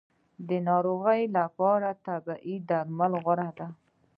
د ناروغۍ لپاره طبیعي درمل غوره دي